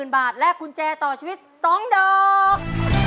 ๐บาทและกุญแจต่อชีวิต๒ดอก